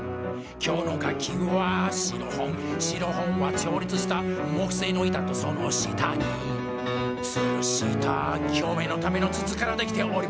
今日の楽器はシロフォンシロフォンは調律した木製の板とその下につるした共鳴のための筒から出来ております